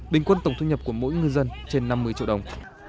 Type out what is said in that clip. bình quân tổng thu nhập của mỗi ngư dân trên năm mươi triệu đồng